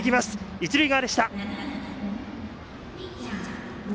一塁側でした。